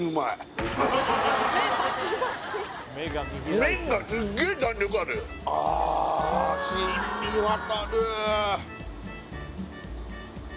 麺がすっげえ弾力あるああ染み渡る